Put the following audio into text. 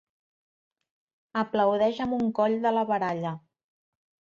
Aplaudeix amb un coll de la baralla.